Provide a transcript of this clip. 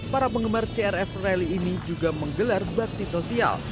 para penggemar crf rally ini juga menggelar bakti sosial